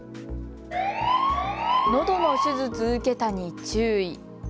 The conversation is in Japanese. のどの手術受けたに注意。